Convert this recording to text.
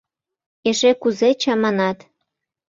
Эше кузе чаманат...